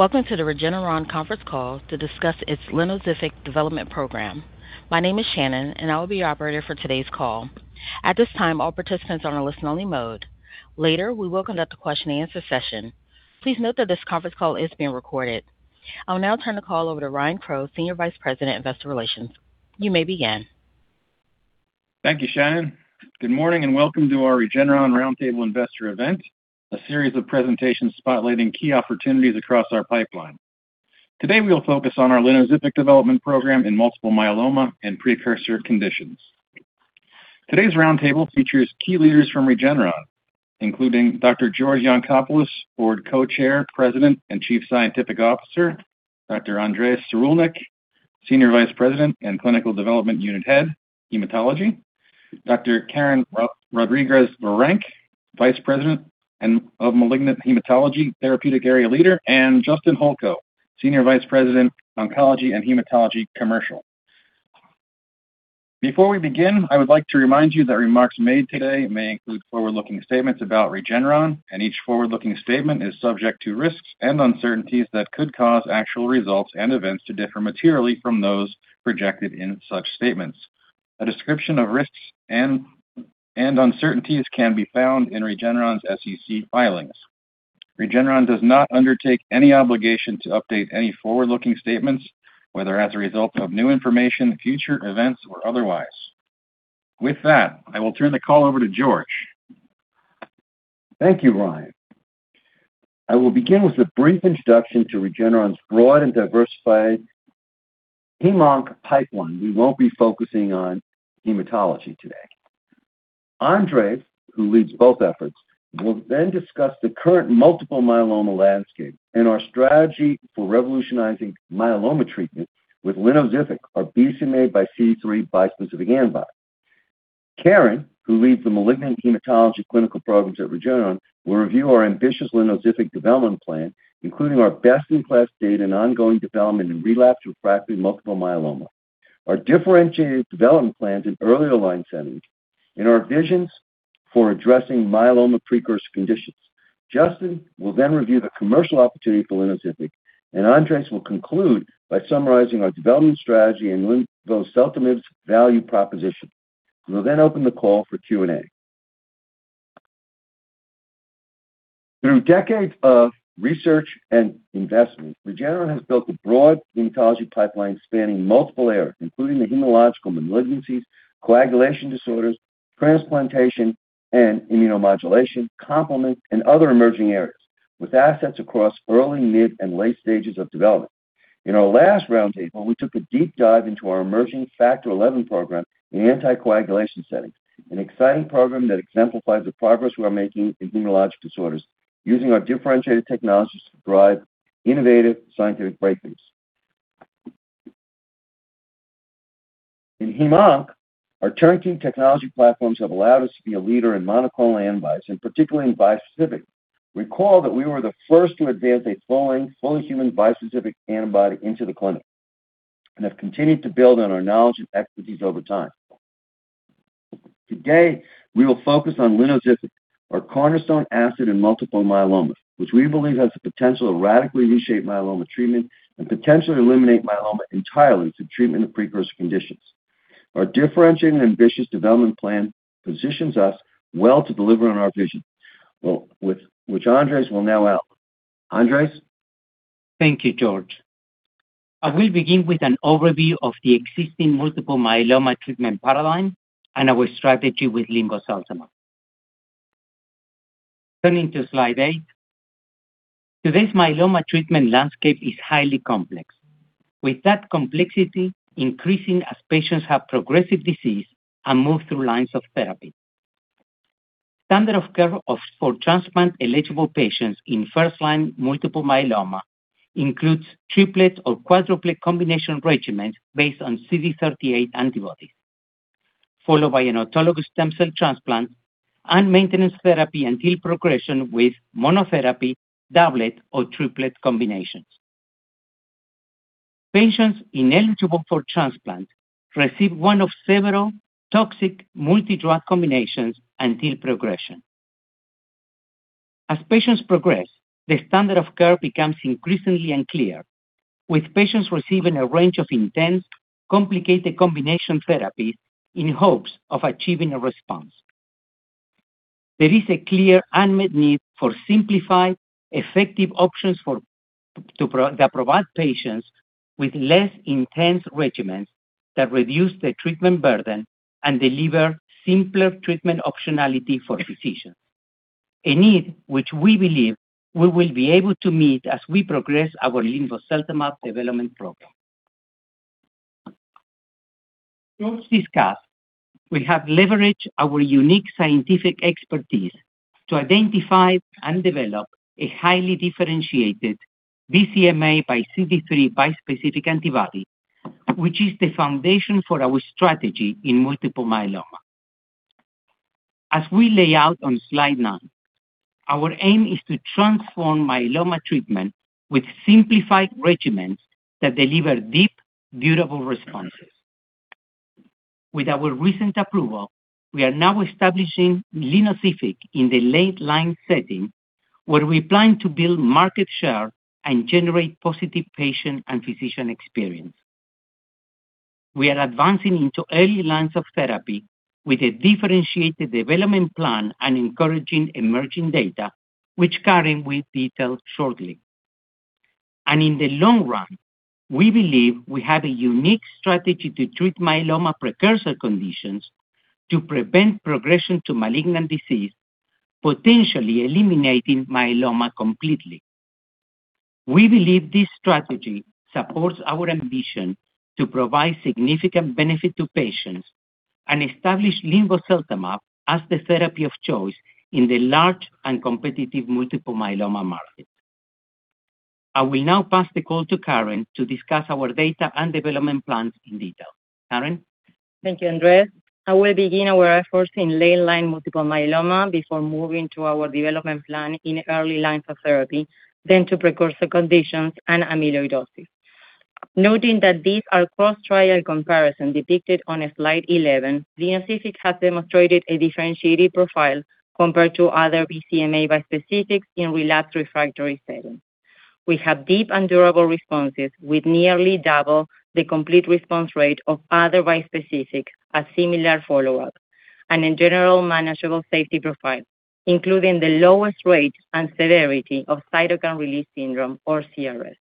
Welcome to the Regeneron conference call to discuss its linvoseltamab Development Program. My name is Shannon, and I will be your operator for today's call. At this time, all participants are on a listen-only mode. Later, we will conduct a question-and-answer session. Please note that this conference call is being recorded. I will now turn the call over to Ryan Crowe, Senior Vice President, Investor Relations. You may begin. Thank you, Shannon. Good morning and welcome to our Regeneron roundtable investor event, a series of presentations spotlighting key opportunities across our pipeline. Today, we will focus on our linvoseltamab Development Program in multiple myeloma and precursor conditions. Today's roundtable features key leaders from Regeneron, including Dr. George Yancopoulos, Board Co-Chair, President, and Chief Scientific Officer, Dr. Andres Sirulnik, Senior Vice President and Clinical Development Unit Head, Hematology, Dr. Karen Rodriguez, Vice President of Malignant Hematology, Therapeutic Area Leader, and Justin Holko, Senior Vice President, Oncology and Hematology, Commercial. Before we begin, I would like to remind you that remarks made today may include forward-looking statements about Regeneron, and each forward-looking statement is subject to risks and uncertainties that could cause actual results and events to differ materially from those projected in such statements. A description of risks and uncertainties can be found in Regeneron's SEC filings. Regeneron does not undertake any obligation to update any forward-looking statements, whether as a result of new information, future events, or otherwise. With that, I will turn the call over to George. Thank you, Ryan. I will begin with a brief introduction to Regeneron's broad and diversified onc/hem pipeline. We won't be focusing on hematology today. Andres, who leads both efforts, will then discuss the current multiple myeloma landscape and our strategy for revolutionizing myeloma treatment with linvoseltamab, our BCMAxCD3 bispecific antibody. Karen, who leads the malignant hematology clinical programs at Regeneron, will review our ambitious linvoseltamab development plan, including our best-in-class data and ongoing development in relapsed/refractory multiple myeloma, our differentiated development plans in early-line settings, and our visions for addressing myeloma precursor conditions. Justin will then review the commercial opportunity for linvoseltamab, and Andres will conclude by summarizing our development strategy and linvoseltamab's value proposition. We'll then open the call for Q&A. Through decades of research and investment, Regeneron has built a broad hematology pipeline spanning multiple areas, including the hematological malignancies, coagulation disorders, transplantation, and immunomodulation, complement, and other emerging areas, with assets across early, mid, and late stages of development. In our last roundtable, we took a deep dive into our emerging Factor XI Program in anticoagulation settings, an exciting program that exemplifies the progress we are making in hematologic disorders, using our differentiated technologies to drive innovative scientific breakthroughs. In Hem/Onc, our turnkey technology platforms have allowed us to be a leader in monoclonal antibodies, and particularly in bispecific. Recall that we were the first to advance a full-length, fully human bispecific antibody into the clinic and have continued to build on our knowledge and expertise over time. Today, we will focus on linvoseltamab, our cornerstone asset in multiple myeloma, which we believe has the potential to radically reshape myeloma treatment and potentially eliminate myeloma entirely through treatment of precursor conditions. Our differentiated and ambitious development plan positions us well to deliver on our vision, which Andres will now outline. Andres? Thank you, George. I will begin with an overview of the existing multiple myeloma treatment paradigm and our strategy with linvoseltamab. Turning to Slide 8, today's myeloma treatment landscape is highly complex, with that complexity increasing as patients have progressive disease and move through lines of therapy. Standard of care for transplant-eligible patients in first-line multiple myeloma includes triplet or quadruplet combination regimens based on CD38 antibodies, followed by an autologous stem cell transplant and maintenance therapy until progression with monotherapy, doublet, or triplet combinations. Patients ineligible for transplant receive one of several toxic multi-drug combinations until progression. As patients progress, the standard of care becomes increasingly unclear, with patients receiving a range of intense, complicated combination therapies in hopes of achieving a response. There is a clear unmet need for simplified, effective options that provide patients with less intense regimens that reduce the treatment burden and deliver simpler treatment optionality for physicians, a need which we believe we will be able to meet as we progress our linvoseltamab development program. As we discussed, we have leveraged our unique scientific expertise to identify and develop a highly differentiated BCMAxCD3 bispecific antibody, which is the foundation for our strategy in multiple myeloma. As we lay out on Slide 9, our aim is to transform myeloma treatment with simplified regimens that deliver deep, durable responses. With our recent approval, we are now establishing linvoseltamab in the late-line setting, where we plan to build market share and generate positive patient and physician experience. We are advancing into early lines of therapy with a differentiated development plan and encouraging emerging data, which Karen will detail shortly. And in the long run, we believe we have a unique strategy to treat myeloma precursor conditions to prevent progression to malignant disease, potentially eliminating myeloma completely. We believe this strategy supports our ambition to provide significant benefit to patients and establish linvoseltamab as the therapy of choice in the large and competitive multiple myeloma market. I will now pass the call to Karen to discuss our data and development plans in detail. Karen? Thank you, Andres. I will begin our efforts in late-line multiple myeloma before moving to our development plan in early lines of therapy, then to precursor conditions and amyloidosis. Noting that these are cross-trial comparisons depicted on Slide 11, linvoseltamab has demonstrated a differentiated profile compared to other BCMA bispecifics in relapsed/refractory settings. We have deep and durable responses with nearly double the complete response rate of other bispecifics at similar follow-up and a general manageable safety profile, including the lowest rate and severity of cytokine release syndrome, or CRS.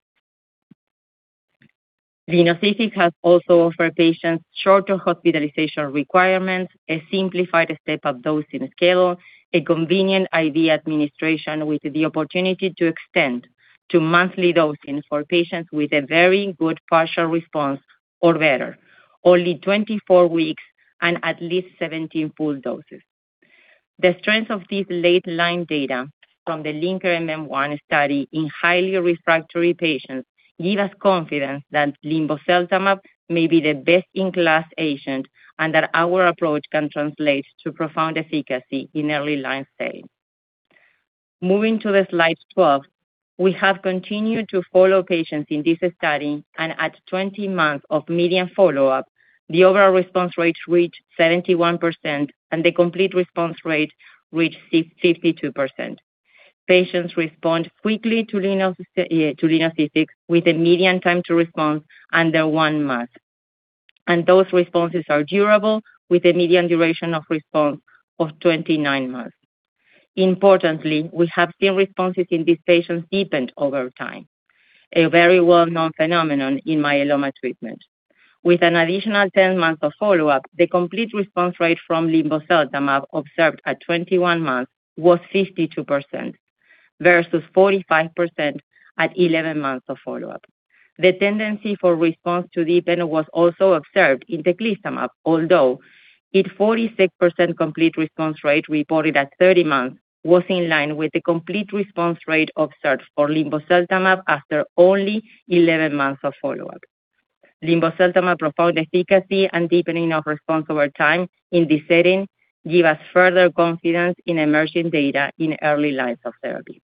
Linvoseltamab has also offered patients shorter hospitalization requirements, a simplified step-up dosing schedule, a convenient IV administration with the opportunity to extend to monthly dosing for patients with a very good partial response or better, only 24 weeks and at least 17 full doses. The strength of these late-line data from the LINKER-MM1 study in highly refractory patients gives us confidence that linvoseltamab may be the best-in-class agent and that our approach can translate to profound efficacy in early lines settings. Moving to Slide 12, we have continued to follow patients in this study, and at 20 months of median follow-up, the overall response rate reached 71% and the complete response rate reached 52%. Patients respond quickly to linvoseltamab with a median time to response under one month, and those responses are durable with a median duration of response of 29 months. Importantly, we have seen responses in these patients deepened over time, a very well-known phenomenon in myeloma treatment. With an additional 10 months of follow-up, the complete response rate from linvoseltamab observed at 21 months was 52% versus 45% at 11 months of follow-up. The tendency for response to deepen was also observed in teclistamab, although its 46% complete response rate reported at 30 months was in line with the complete response rate observed for linvoseltamab after only 11 months of follow-up. Linvoseltamab's profound efficacy and deepening of response over time in this setting give us further confidence in emerging data in early lines of therapy.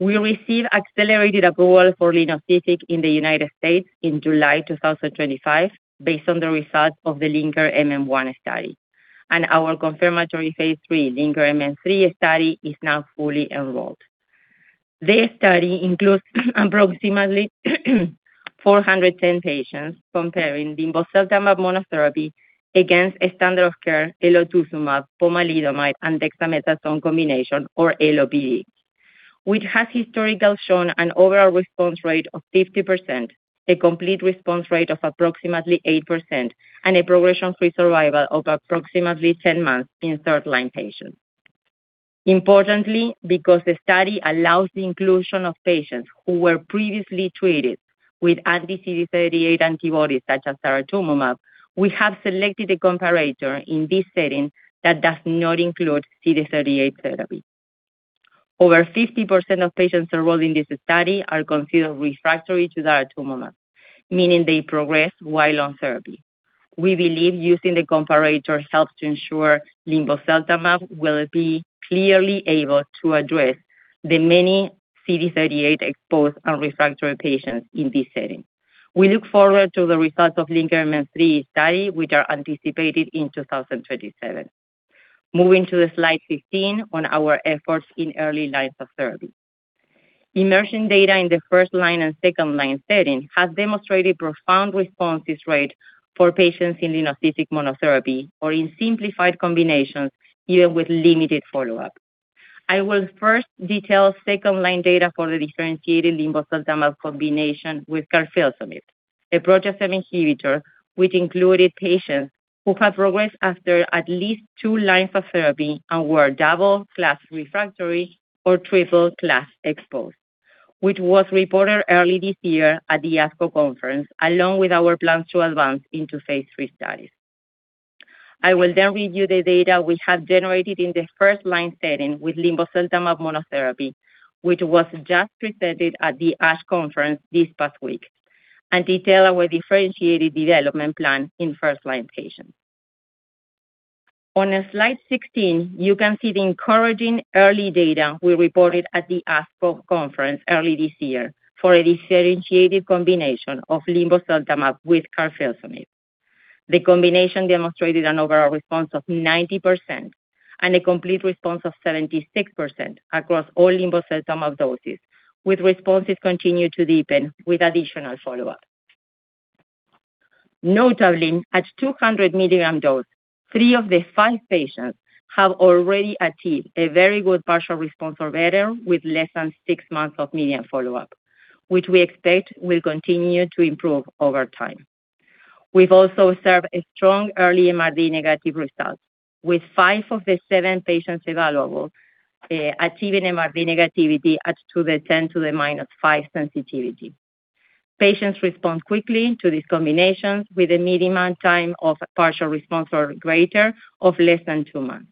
We received accelerated approval for linvoseltamab in the United States in July 2025 based on the results of the LINKER-MM1 study, and our confirmatory phase III LINKER-MM3 study is now fully enrolled. This study includes approximately 410 patients comparing linvoseltamab monotherapy against a standard of care elotuzumab, pomalidomide, and dexamethasone combination, or EloPd, which has historically shown an overall response rate of 50%, a complete response rate of approximately 8%, and a progression-free survival of approximately 10 months in third-line patients. Importantly, because the study allows the inclusion of patients who were previously treated with anti-CD38 antibodies such as daratumumab, we have selected a comparator in this setting that does not include CD38 therapy. Over 50% of patients enrolled in this study are considered refractory to daratumumab, meaning they progress while on therapy. We believe using the comparator helps to ensure linvoseltamab will be clearly able to address the many CD38-exposed and refractory patients in this setting. We look forward to the results of LINKER-MM3 study, which are anticipated in 2027. Moving to Slide 15 on our efforts in early lines of therapy. Emerging data in the first-line and second-line setting has demonstrated profound responses rate for patients in linvoseltamab monotherapy or in simplified combinations, even with limited follow-up. I will first detail second-line data for the differentiated linvoseltamab combination with carfilzomib, a proteasome inhibitor which included patients who had progressed after at least two lines of therapy and were double-class refractory or triple-class exposed, which was reported early this year at the ASCO conference, along with our plans to advance into phase III studies. I will then review the data we have generated in the first-line setting with linvoseltamab monotherapy, which was just presented at the ASCO conference this past week, and detail our differentiated development plan in first-line patients. On Slide 16, you can see the encouraging early data we reported at the ASCO conference early this year for a differentiated combination of linvoseltamab with carfilzomib. The combination demonstrated an overall response of 90% and a complete response of 76% across all linvoseltamab doses, with responses continuing to deepen with additional follow-up. Notably, at 200-milligram dose, three of the five patients have already achieved a very good partial response or better with less than six months of median follow-up, which we expect will continue to improve over time. We've also observed a strong early MRD negative result, with five of the seven patients evaluable achieving MRD negativity at 10 to the minus five sensitivity. Patients respond quickly to these combinations with a median time of partial response or greater of less than two months.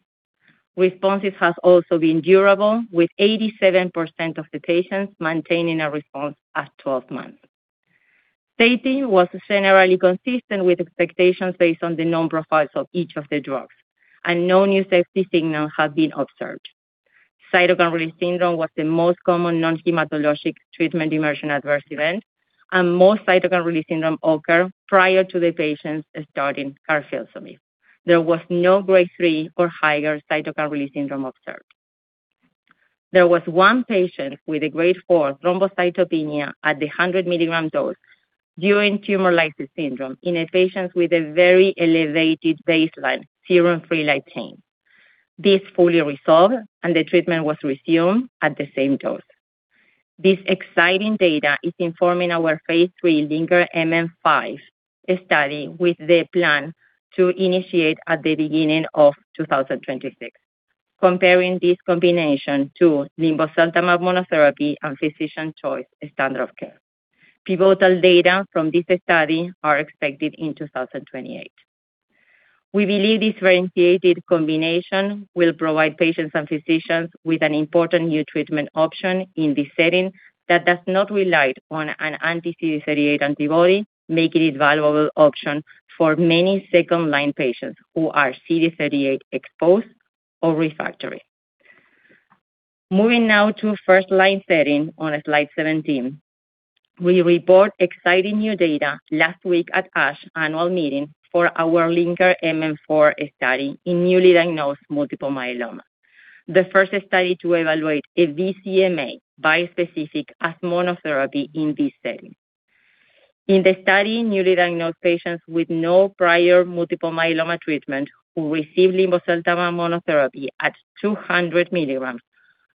Responses have also been durable, with 87% of the patients maintaining a response at 12 months. Safety was generally consistent with expectations based on the known profiles of each of the drugs, and no new safety signals have been observed. Cytokine release syndrome was the most common non-hematologic treatment-emergent adverse event, and most cytokine release syndrome occurred prior to the patients starting carfilzomib. There was no grade III or higher cytokine release syndrome observed. There was one patient with a grade IV thrombocytopenia at the 100-milligram dose during tumor lysis syndrome in a patient with a very elevated baseline serum-free light chain. This fully resolved, and the treatment was resumed at the same dose. This exciting data is informing our phase III LINKER-MM5 study with the plan to initiate at the beginning of 2026, comparing this combination to linvoseltamab monotherapy and physician choice standard of care. Pivotal data from this study are expected in 2028. We believe this differentiated combination will provide patients and physicians with an important new treatment option in this setting that does not rely on an anti-CD38 antibody, making it a valuable option for many second-line patients who are CD38-exposed or refractory. Moving now to first-line setting on Slide 17, we report exciting new data last week at ASCO annual meeting for our LINKER-MM4 study in newly diagnosed multiple myeloma, the first study to evaluate a BCMA bispecific as monotherapy in this setting. In the study, newly diagnosed patients with no prior multiple myeloma treatment who received linvoseltamab monotherapy at 200 milligrams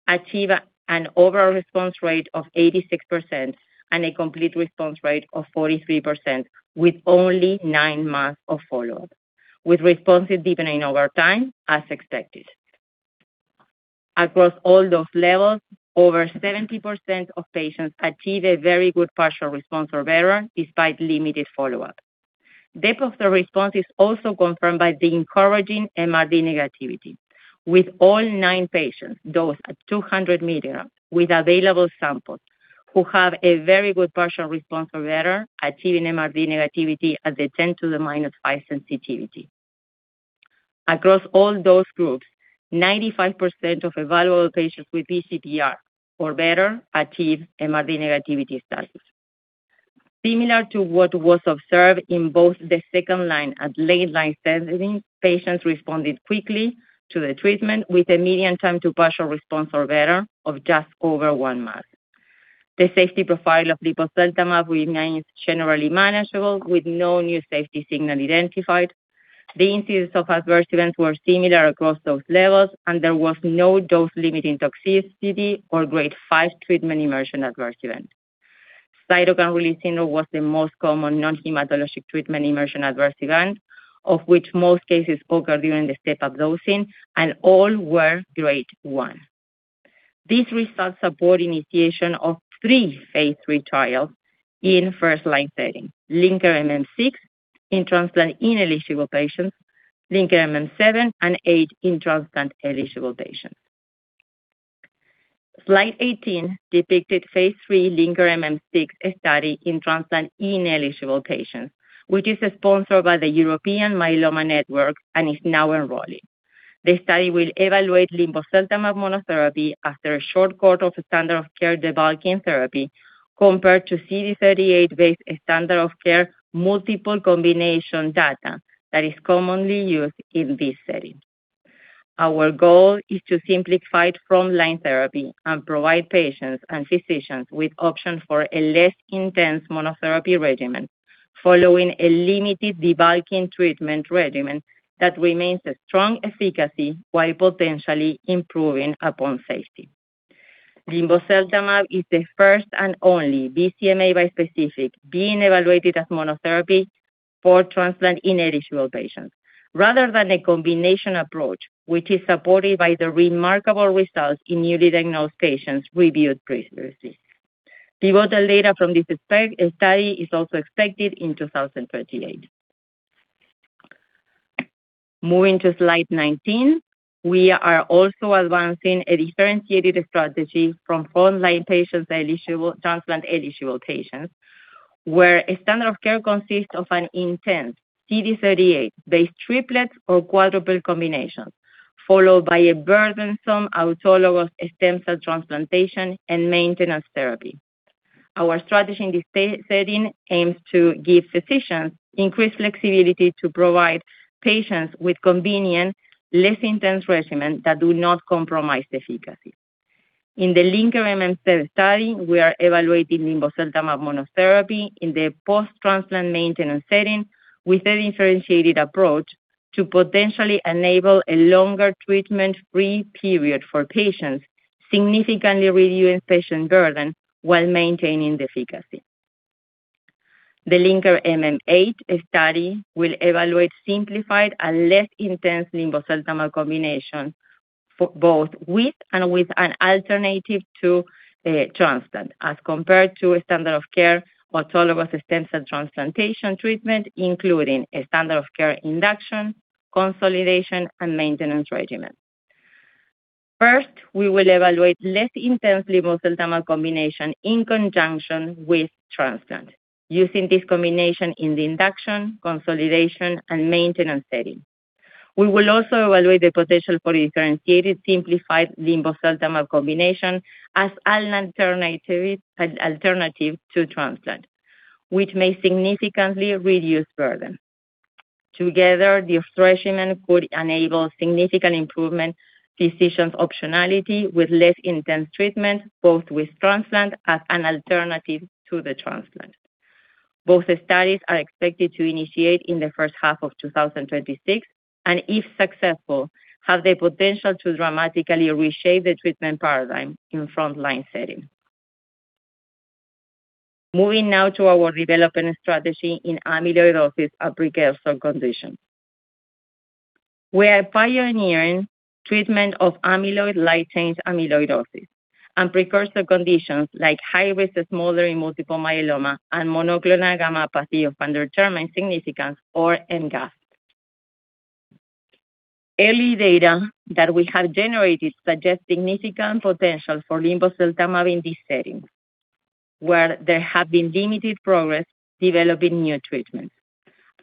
achieve an overall response rate of 86% and a complete response rate of 43% with only nine months of follow-up, with responses deepening over time as expected. Across all those levels, over 70% of patients achieve a very good partial response or better despite limited follow-up. Depth of the response is also confirmed by the encouraging MRD negativity with all nine patients dosed at 200 milligrams with available samples who have a very good partial response or better achieving MRD negativity at the 10 to the minus five sensitivity. Across all those groups, 95% of evaluable patients with PR or better achieve MRD negativity status. Similar to what was observed in both the second-line and late-line setting, patients responded quickly to the treatment with a median time to partial response or better of just over one month. The safety profile of linvoseltamab remains generally manageable with no new safety signal identified. The incidence of adverse events was similar across those levels, and there was no dose-limiting toxicity or grade V treatment-emergent adverse event. Cytokine release syndrome was the most common non-hematologic treatment-emergent adverse event, of which most cases occurred during the step-up dosing, and all were grade I. These results support initiation of three phase III trials in first-line setting: LINKER-MM6 in transplant-ineligible patients, LINKER-MM7, and LINKER-MM8 in transplant-eligible patients. Slide 18 depicted phase III LINKER-MM6 study in transplant-ineligible patients, which is sponsored by the European Myeloma Network and is now enrolling. The study will evaluate linvoseltamab monotherapy after a short course of standard of care debulking therapy compared to CD38-based standard of care multiple combination data that is commonly used in this setting. Our goal is to simply fight front-line therapy and provide patients and physicians with options for a less intense monotherapy regimen following a limited debulking treatment regimen that remains strong efficacy while potentially improving upon safety. Linvoseltamab is the first and only BCMA bispecific being evaluated as monotherapy for transplant-ineligible patients rather than a combination approach, which is supported by the remarkable results in newly diagnosed patients reviewed previously. Pivotal data from this study is also expected in 2028. Moving to slide 19, we are also advancing a differentiated strategy for front-line transplant-eligible patients, where a standard of care consists of an intense CD38-based triplet or quadruple combination followed by a burdensome autologous stem cell transplantation and maintenance therapy. Our strategy in this setting aims to give physicians increased flexibility to provide patients with convenient, less intense regimen that do not compromise efficacy. In the LINKER-MM7 study, we are evaluating linvoseltamab monotherapy in the post-transplant maintenance setting with a differentiated approach to potentially enable a longer treatment-free period for patients, significantly reducing patient burden while maintaining efficacy. The LINKER-MM8 study will evaluate simplified and less intense linvoseltamab combination both with and without an alternative to transplant as compared to standard of care autologous stem cell transplantation treatment, including a standard of care induction, consolidation, and maintenance regimen. First, we will evaluate less intense linvoseltamab combination in conjunction with transplant using this combination in the induction, consolidation, and maintenance setting. We will also evaluate the potential for a differentiated simplified linvoseltamab combination as an alternative to transplant, which may significantly reduce burden. Together, this regimen could enable significant improvement physicians' optionality with less intense treatment both with transplant as an alternative to the transplant. Both studies are expected to initiate in the first half of 2026, and if successful, have the potential to dramatically reshape the treatment paradigm in front-line setting. Moving now to our development strategy in amyloidosis and precursor conditions. We are pioneering treatment of amyloid light-chain amyloidosis and precursor conditions like high-risk smoldering multiple myeloma and monoclonal gammopathy of undetermined significance or MGUS. Early data that we have generated suggest significant potential for linvoseltamab in this setting, where there have been limited progress developing new treatments.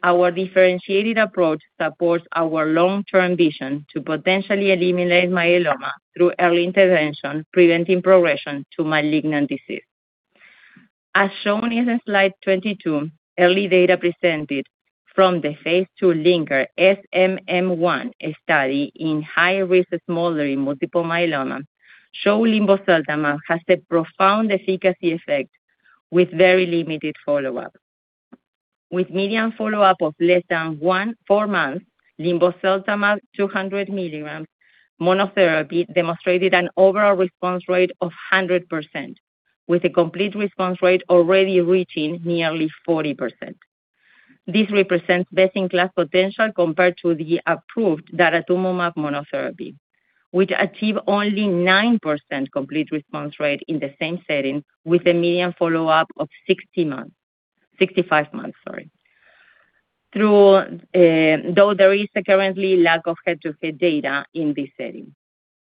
Our differentiated approach supports our long-term vision to potentially eliminate myeloma through early intervention, preventing progression to malignant disease. As shown in slide 22, early data presented from the phase II LINKER-SMM1 study in high-risk smoldering multiple myeloma show linvoseltamab has a profound efficacy effect with very limited follow-up. With median follow-up of less than four months, linvoseltamab 200 milligrams monotherapy demonstrated an overall response rate of 100%, with a complete response rate already reaching nearly 40%. This represents best-in-class potential compared to the approved daratumumab monotherapy, which achieved only 9% complete response rate in the same setting with a median follow-up of 60 months, 65 months, sorry. Though there is currently lack of head-to-head data in this setting.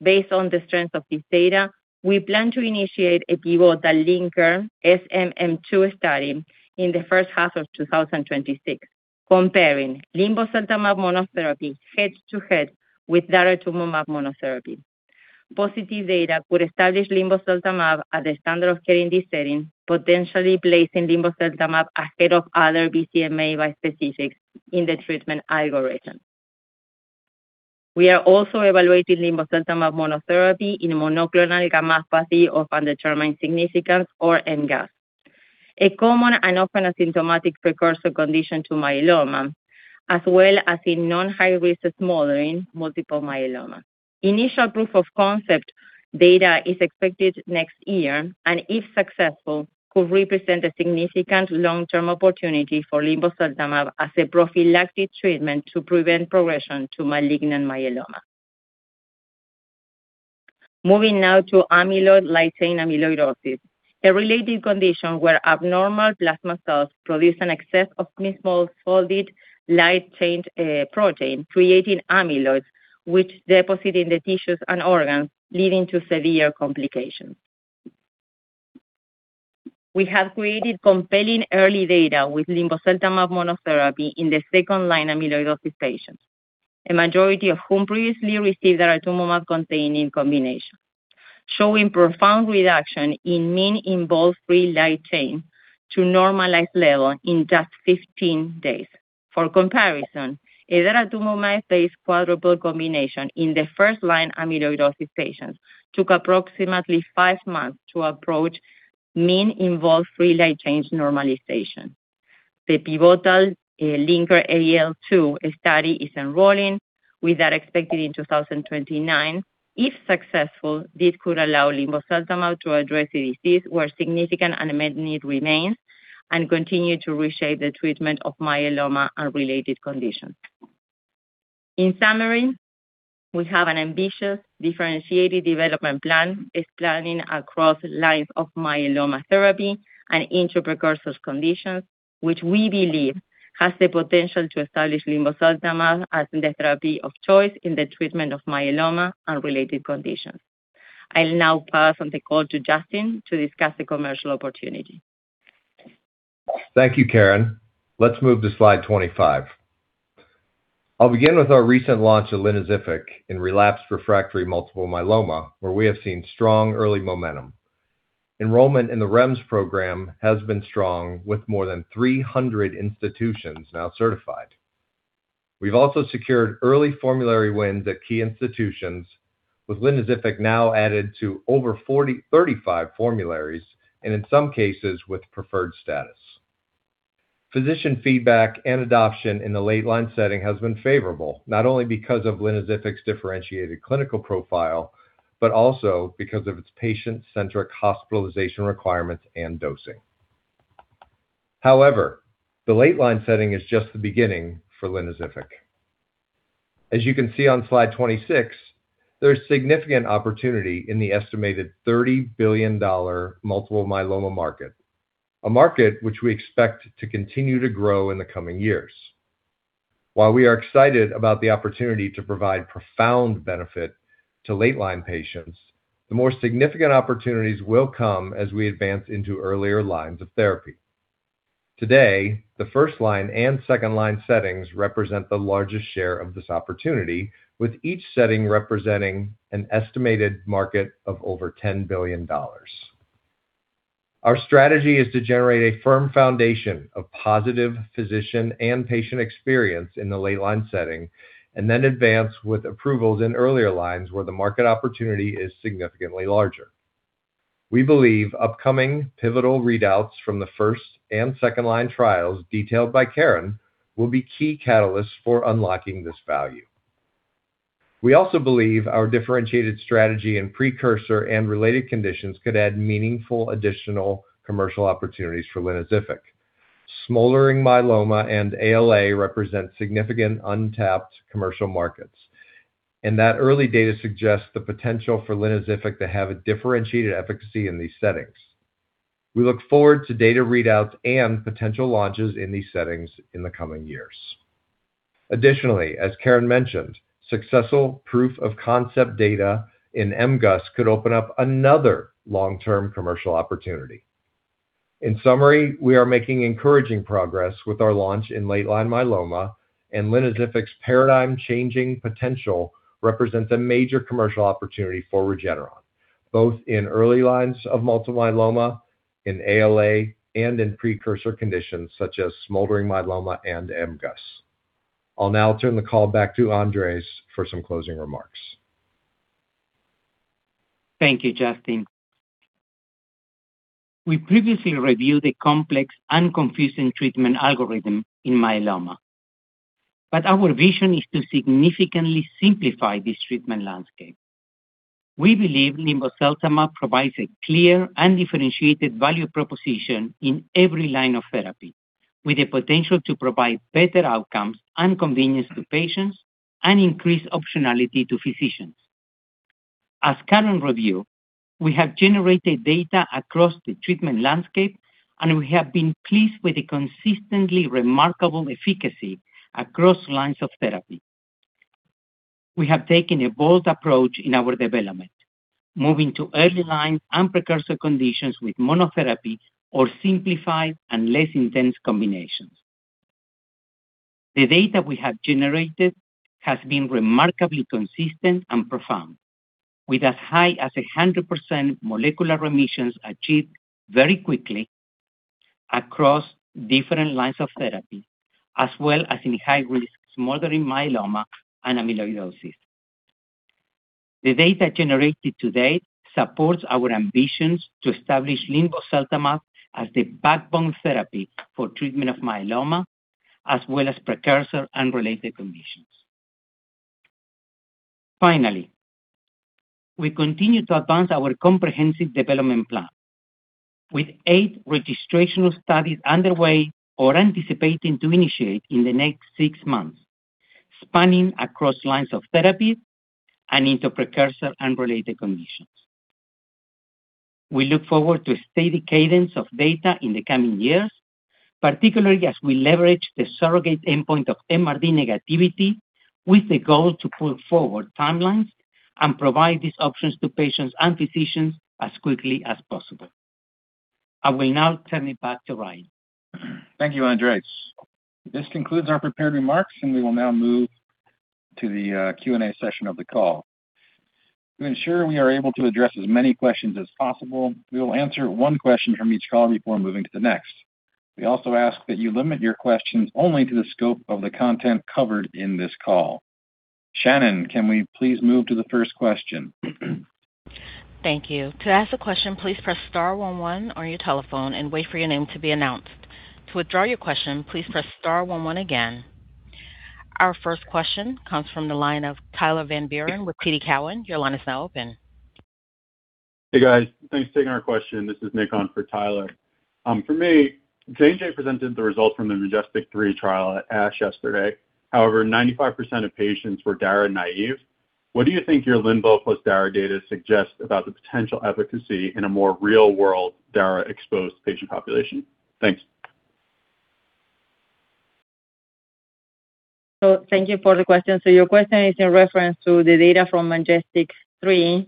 Based on the strength of this data, we plan to initiate a pivotal LINKER-SMM2 study in the first half of 2026, comparing linvoseltamab monotherapy head-to-head with daratumumab monotherapy. Positive data could establish linvoseltamab as a standard of care in this setting, potentially placing linvoseltamab ahead of other BCMA bispecifics in the treatment algorithm. We are also evaluating linvoseltamab monotherapy in monoclonal gammopathy of undetermined significance or MGUS, a common and often asymptomatic precursor condition to myeloma, as well as in non-high-risk smoldering multiple myeloma. Initial proof of concept data is expected next year, and if successful, could represent a significant long-term opportunity for linvoseltamab as a prophylactic treatment to prevent progression to malignant myeloma. Moving now to amyloid light-chain amyloidosis, a related condition where abnormal plasma cells produce an excess of small folded light-chain protein, creating amyloids, which deposit in the tissues and organs, leading to severe complications. We have created compelling early data with linvoseltamab monotherapy in the second-line amyloidosis patients, a majority of whom previously received daratumumab-containing combination, showing profound reduction in mean-involved free light chain to normalized level in just 15 days. For comparison, a daratumumab-based quadruple combination in the first-line amyloidosis patients took approximately five months to approach mean-involved free light chain normalization. The pivotal LINKER-AL2 study is enrolling with data expected in 2029. If successful, this could allow linvoseltamab to address the disease where significant unmet need remains and continue to reshape the treatment of myeloma and related conditions. In summary, we have an ambitious differentiated development plan, expanding across lines of myeloma therapy and precursor conditions, which we believe has the potential to establish linvoseltamab as the therapy of choice in the treatment of myeloma and related conditions. I'll now pass on the call to Justin to discuss the commercial opportunity. Thank you, Karin. Let's move to slide 25. I'll begin with our recent launch of linvoseltamab in relapsed refractory multiple myeloma, where we have seen strong early momentum. Enrollment in the REMS program has been strong, with more than 300 institutions now certified. We've also secured early formulary wins at key institutions, with linvoseltamab now added to over 35 formularies, and in some cases with preferred status. Physician feedback and adoption in the late-line setting has been favorable, not only because of linvoseltamab's differentiated clinical profile, but also because of its patient-centric hospitalization requirements and dosing. However, the late-line setting is just the beginning for linvoseltamab. As you can see on slide 26, there is significant opportunity in the estimated $30 billion multiple myeloma market, a market which we expect to continue to grow in the coming years. While we are excited about the opportunity to provide profound benefit to late-line patients, the more significant opportunities will come as we advance into earlier lines of therapy. Today, the first-line and second-line settings represent the largest share of this opportunity, with each setting representing an estimated market of over $10 billion. Our strategy is to generate a firm foundation of positive physician and patient experience in the late-line setting and then advance with approvals in earlier lines where the market opportunity is significantly larger. We believe upcoming pivotal readouts from the first and second-line trials detailed by Karin will be key catalysts for unlocking this value. We also believe our differentiated strategy in precursor and related conditions could add meaningful additional commercial opportunities for linvoseltamab. Smoldering myeloma and ALA represent significant untapped commercial markets, and that early data suggests the potential for linvoseltamab to have a differentiated efficacy in these settings. We look forward to data readouts and potential launches in these settings in the coming years. Additionally, as Karin mentioned, successful proof of concept data in MGUS could open up another long-term commercial opportunity. In summary, we are making encouraging progress with our launch in late-line myeloma, and linvoseltamab's paradigm-changing potential represents a major commercial opportunity for Regeneron, both in early lines of multiple myeloma, in ALA, and in precursor conditions such as smoldering myeloma and MGUS. I'll now turn the call back to Andres for some closing remarks. Thank you, Justin. We previously reviewed a complex and confusing treatment algorithm in myeloma, but our vision is to significantly simplify this treatment landscape. We believe linvoseltamab provides a clear and differentiated value proposition in every line of therapy, with the potential to provide better outcomes and convenience to patients and increased optionality to physicians. As Karin reviewed, we have generated data across the treatment landscape, and we have been pleased with the consistently remarkable efficacy across lines of therapy. We have taken a bold approach in our development, moving to early lines and precursor conditions with monotherapy or simplified and less intense combinations. The data we have generated has been remarkably consistent and profound, with as high as 100% molecular remissions achieved very quickly across different lines of therapy, as well as in high-risk smoldering myeloma and amyloidosis. The data generated to date supports our ambitions to establish linvoseltamab as the backbone therapy for treatment of myeloma, as well as precursor and related conditions. Finally, we continue to advance our comprehensive development plan, with eight registrational studies underway or anticipating to initiate in the next six months, spanning across lines of therapy and into precursor and related conditions. We look forward to a steady cadence of data in the coming years, particularly as we leverage the surrogate endpoint of MRD negativity, with the goal to pull forward timelines and provide these options to patients and physicians as quickly as possible. I will now turn it back to Ryan. Thank you, Andres. This concludes our prepared remarks, and we will now move to the Q&A session of the call. To ensure we are able to address as many questions as possible, we will answer one question from each call before moving to the next. We also ask that you limit your questions only to the scope of the content covered in this call. Shannon, can we please move to the first question? Thank you. To ask a question, please press star 11 on your telephone and wait for your name to be announced. To withdraw your question, please press star 11 again. Our first question comes from the line of Tyler Van Buren with TD Cowen. Your line is now open. Hey, guys. Thanks for taking our question. This is Nick on for Tyler. For me, J&J presented the results from the MajesTEC-3 trial at ASH yesterday. However, 95% of patients were daratumumab-naive. What do you think your linvoseltamab plus daratumumab data suggests about the potential efficacy in a more real-world daratumumab-exposed patient population? Thanks. So thank you for the question. So your question is in reference to the data from MajesTEC-3,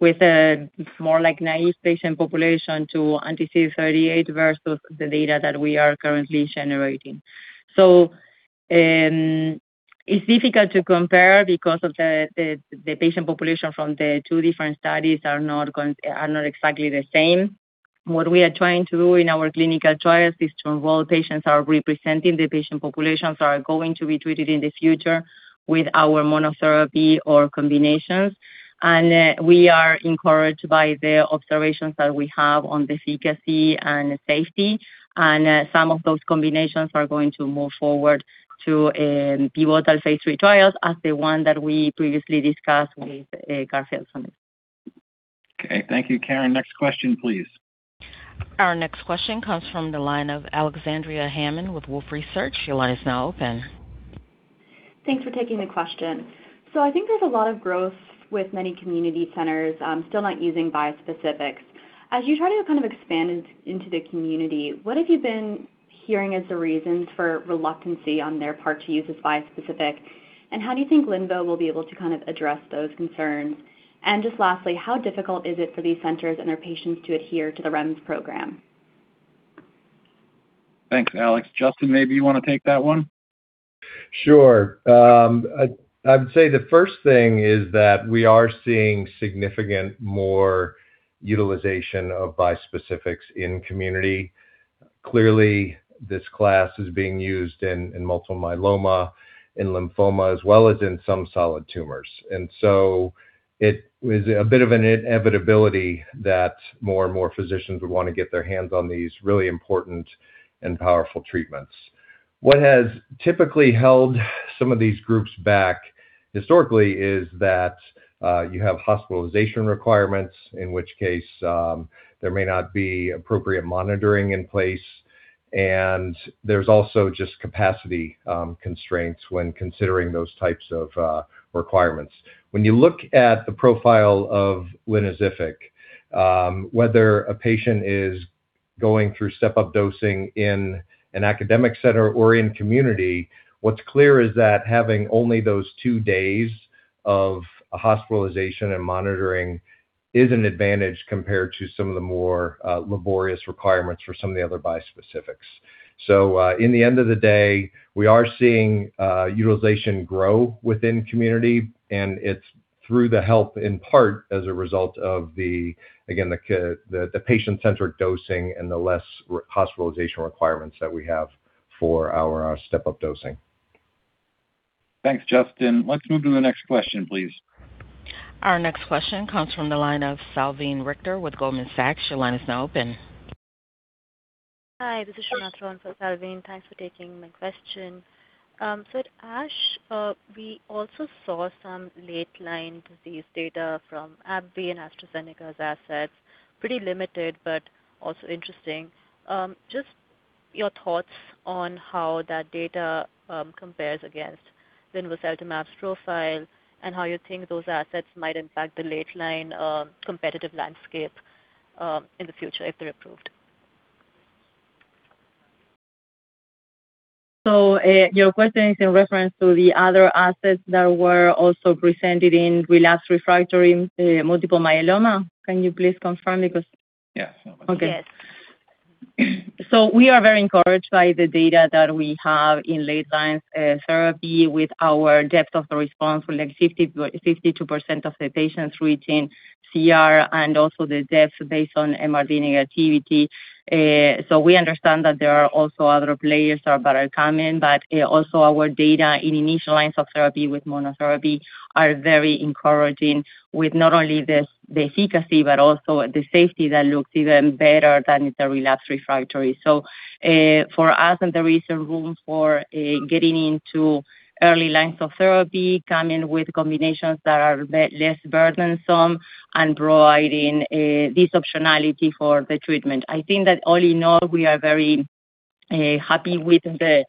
with a more naive patient population to anti-CD38 versus the data that we are currently generating. It's difficult to compare because the patient population from the two different studies are not exactly the same. What we are trying to do in our clinical trials is to involve patients that are representing the patient populations that are going to be treated in the future with our monotherapy or combinations. And we are encouraged by the observations that we have on the efficacy and safety. And some of those combinations are going to move forward to pivotal phase III trials as the one that we previously discussed with carfilzomib. Okay. Thank you, Karin. Next question, please. Our next question comes from the line of Alexandria Hammond with Wolfe Research. Your line is now open. Thanks for taking the question. So I think there's a lot of growth with many community centers still not using bispecifics. As you try to kind of expand into the community, what have you been hearing as the reasons for reluctance on their part to use this bispecific? And how do you think Lenvo will be able to kind of address those concerns? And just lastly, how difficult is it for these centers and their patients to adhere to the REMS program? Thanks, Alex. Justin, maybe you want to take that one? Sure. I would say the first thing is that we are seeing significant more utilization of bispecifics in community. Clearly, this class is being used in multiple myeloma, in lymphoma, as well as in some solid tumors. And so it was a bit of an inevitability that more and more physicians would want to get their hands on these really important and powerful treatments. What has typically held some of these groups back historically is that you have hospitalization requirements, in which case there may not be appropriate monitoring in place. And there's also just capacity constraints when considering those types of requirements. When you look at the profile of linvoseltamab, whether a patient is going through step-up dosing in an academic center or in community, what's clear is that having only those two days of hospitalization and monitoring is an advantage compared to some of the more laborious requirements for some of the other bispecifics. So in the end of the day, we are seeing utilization grow within community, and it's through the help in part as a result of, again, the patient-centric dosing and the less hospitalization requirements that we have for our step-up dosing. Thanks, Justin. Let's move to the next question, please. Our next question comes from the line of Salveen Richter with Goldman Sachs. Your line is now open. Hi. This is Shana Pretheshan for Salveen. Thanks for taking my question. So at ASH, we also saw some late-line disease data from AbbVie and AstraZeneca's assets, pretty limited but also interesting. Just your thoughts on how that data compares against linvoseltamab's profile and how you think those assets might impact the late-line competitive landscape in the future if they're approved. So your question is in reference to the other assets that were also presented in relapsed refractory multiple myeloma. Can you please confirm? Yes. Yes. So we are very encouraged by the data that we have in late-line therapy with our depth of the response, with like 52% of the patients reaching CR and also the depth based on MRD negativity. So, we understand that there are also other players that are coming, but also our data in initial lines of therapy with monotherapy are very encouraging with not only the efficacy but also the safety that looks even better than the relapsed refractory. So, for us, there is a room for getting into early lines of therapy, coming with combinations that are less burdensome and providing this optionality for the treatment. I think that all in all, we are very happy with the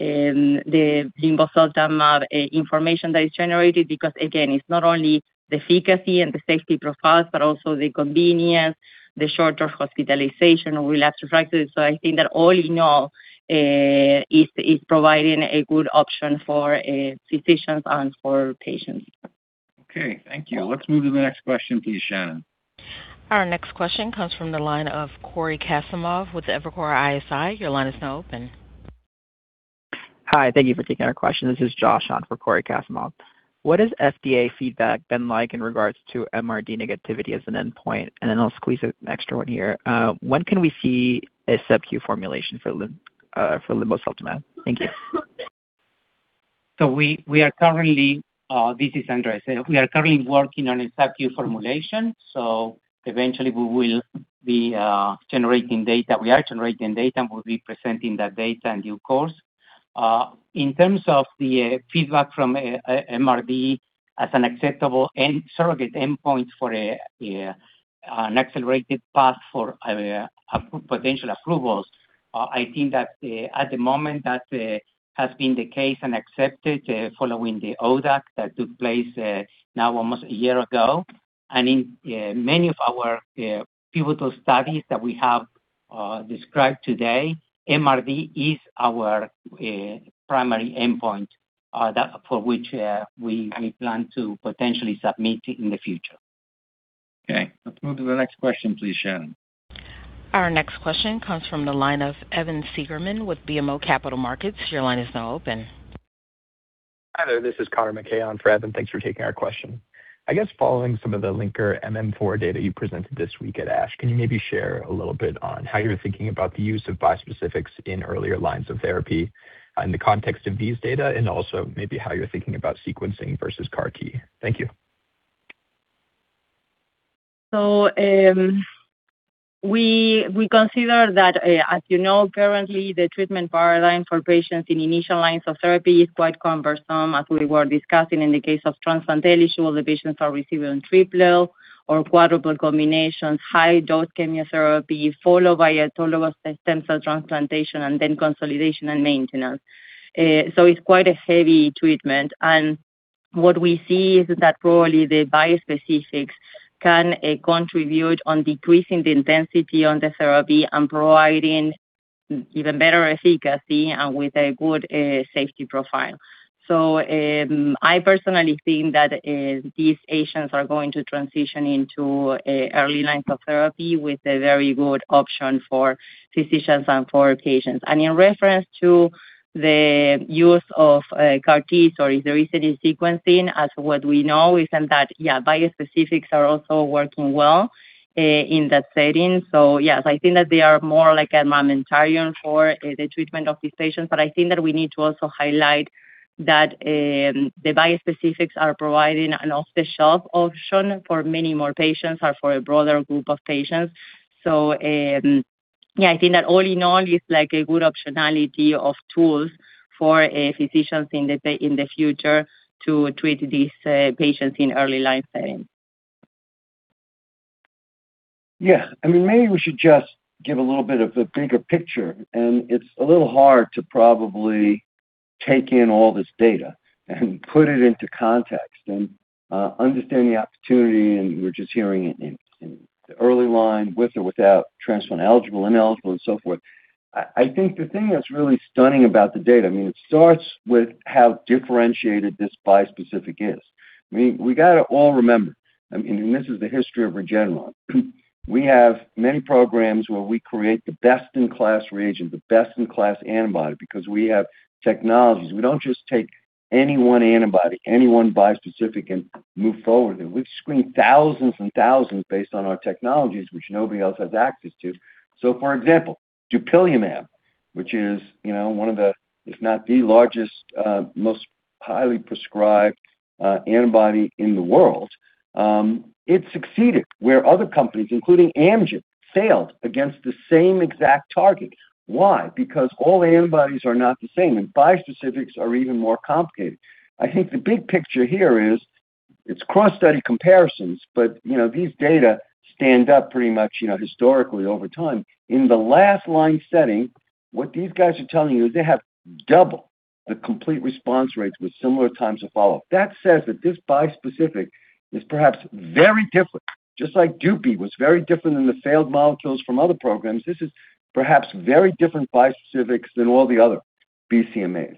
linvoseltamab information that is generated because, again, it's not only the efficacy and the safety profiles, but also the convenience, the shorter hospitalization or relapsed refractory. So, I think that all in all, it's providing a good option for physicians and for patients. Okay. Thank you. Let's move to the next question, please, Shannon. Our next question comes from the line of Cory Kasimov with Evercore ISI. Your line is now open. Hi. Thank you for taking our question. This is Josh on for Cory Kasimov. What has FDA feedback been like in regards to MRD negativity as an endpoint? And then I'll squeeze an extra one here. When can we see a subQ formulation for linvoseltamab? Thank you. So we are currently. This is Andres. We are currently working on a subQ formulation. So eventually, we will be generating data. We are generating data, and we'll be presenting that data in due course. In terms of the feedback from MRD as an acceptable surrogate endpoint for an accelerated path for potential approvals, I think that at the moment that has been the case and accepted following the ODAC that took place now almost a year ago. And in many of our pivotal studies that we have described today, MRD is our primary endpoint for which we plan to potentially submit in the future. Okay. Let's move to the next question, please, Shannon. Our next question comes from the line of Evan Seigerman with BMO Capital Markets. Your line is now open. Hi there. This is Conor MacKay on for Evan. Thanks for taking our question. I guess following some of the LINKER-MM4 data you presented this week at ASH, can you maybe share a little bit on how you're thinking about the use of bispecifics in earlier lines of therapy in the context of these data and also maybe how you're thinking about sequencing versus CAR-T? Thank you. So we consider that, as you know, currently, the treatment paradigm for patients in initial lines of therapy is quite cumbersome, as we were discussing in the case of transplantation where the patients are receiving triple or quadruple combinations, high-dose chemotherapy followed by an autologous stem cell transplantation and then consolidation and maintenance. So it's quite a heavy treatment. And what we see is that probably the bispecifics can contribute on decreasing the intensity on the therapy and providing even better efficacy and with a good safety profile. So I personally think that these patients are going to transition into early lines of therapy with a very good option for physicians and for patients. And in reference to the use of CAR-T, sorry, the recent sequencing, as what we know is that, yeah, bispecifics are also working well in that setting. So yes, I think that they are more like an armamentarium for the treatment of these patients. But I think that we need to also highlight that the bispecifics are providing an off-the-shelf option for many more patients or for a broader group of patients. So yeah, I think that all in all, it's like a good optionality of tools for physicians in the future to treat these patients in early line settings. Yeah. I mean, maybe we should just give a little bit of the bigger picture, and it's a little hard to probably take in all this data and put it into context and understand the opportunity, and we're just hearing it in the early line with or without transplant eligible, ineligible, and so forth. I think the thing that's really stunning about the data, I mean, it starts with how differentiated this bispecific is. I mean, we got to all remember, I mean, and this is the history of Regeneron. We have many programs where we create the best-in-class reagent, the best-in-class antibody because we have technologies. We don't just take any one antibody, any one bispecific, and move forward. We've screened thousands and thousands based on our technologies, which nobody else has access to. So for example, dupilumab, which is one of the, if not the largest, most highly prescribed antibody in the world, it succeeded where other companies, including Amgen, failed against the same exact target. Why? Because all antibodies are not the same, and bispecifics are even more complicated. I think the big picture here is it's cross-study comparisons, but these data stand up pretty much historically over time. In the late-line setting, what these guys are telling you is they have double the complete response rates with similar times of follow-up. That says that this bispecific is perhaps very different, just like dupi was very different than the failed molecules from other programs. This is perhaps very different bispecifics than all the other BCMAs,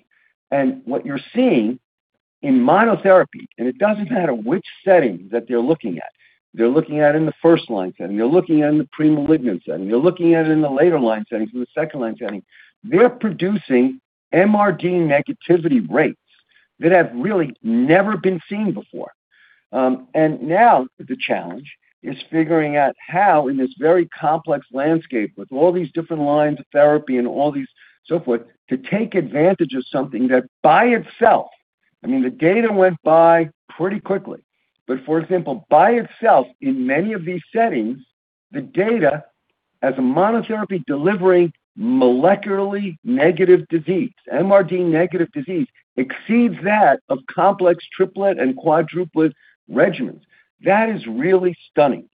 and what you're seeing in monotherapy, and it doesn't matter which setting that they're looking at. They're looking at it in the first-line setting. They're looking at it in the premalignant setting. They're looking at it in the later-line settings, in the second-line setting. They're producing MRD negativity rates that have really never been seen before. And now the challenge is figuring out how in this very complex landscape with all these different lines of therapy and all these so forth to take advantage of something that by itself, I mean, the data went by pretty quickly. But for example, by itself, in many of these settings, the data as a monotherapy delivering molecularly negative disease, MRD negative disease, exceeds that of complex triplet and quadruplet regimens. That is really stunning.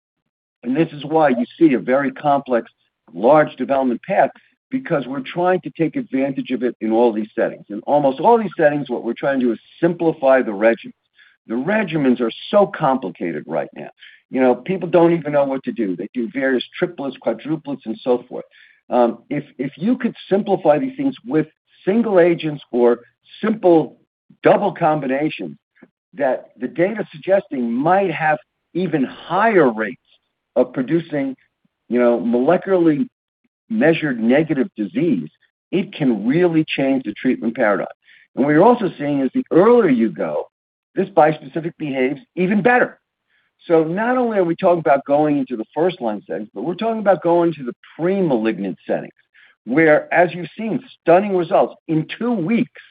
And this is why you see a very complex, large development path because we're trying to take advantage of it in all these settings. In almost all these settings, what we're trying to do is simplify the regimens. The regimens are so complicated right now. People don't even know what to do. They do various triplets, quadruplets, and so forth. If you could simplify these things with single agents or simple double combinations that the data suggesting might have even higher rates of producing molecularly measured negative disease, it can really change the treatment paradigm. And what you're also seeing is the earlier you go, this bispecific behaves even better. So not only are we talking about going into the first-line settings, but we're talking about going to the premalignant settings where, as you've seen, stunning results. In two weeks,